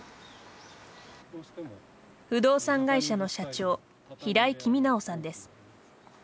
不動産会社の社長平井公尚さんです。